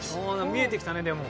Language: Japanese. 見えてきたねでも。